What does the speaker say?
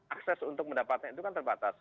akses untuk mendapatkan itu kan terbatas